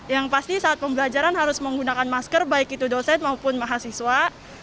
yang pasti saat pembelajaran harus menggunakan masker baik itu dosen maupun mahasiswa